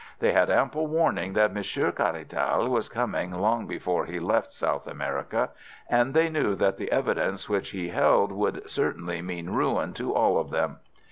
They had ample warning that Monsieur Caratal was coming long before he left South America, and they knew that the evidence which he held would certainly mean ruin to all of them.